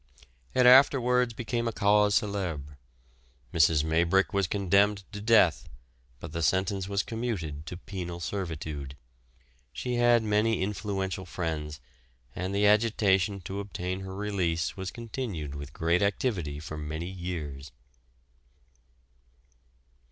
It afterwards became a cause celèbre. Mrs. Maybrick was condemned to death, but the sentence was commuted to penal servitude. She had many influential friends, and the agitation to obtain her release was continued with great activity for many years.